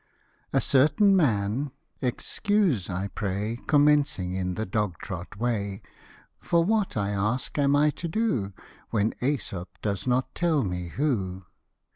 A CERTAIN man excuse, I pray, Commencing in the dog trot way ; For what, I ask, am I to do When jEsop does not tell me who?